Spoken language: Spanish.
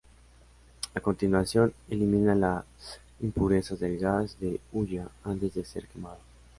A continuación, elimina las impurezas del gas de hulla antes de ser quemado.